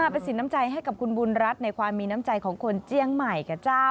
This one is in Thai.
เป็นสินน้ำใจให้กับคุณบุญรัฐในความมีน้ำใจของคนเจียงใหม่กับเจ้า